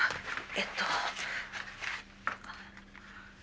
えっと。